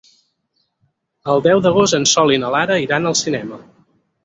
El deu d'agost en Sol i na Lara iran al cinema.